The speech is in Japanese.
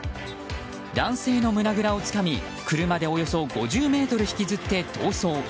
男性の胸ぐらをつかみ車でおよそ５０ｍ引きずって逃走。